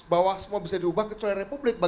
bahwa semua bisa diubah ke celana republik